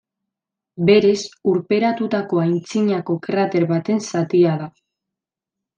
Berez, urperatutako antzinako krater baten zatia da.